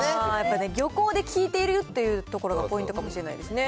漁港で聞いているというところがポイントかもしれないですね。